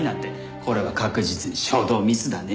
これは確実に初動ミスだね。